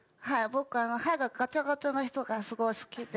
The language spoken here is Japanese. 僕歯がガチャガチャの人がすごい好きで。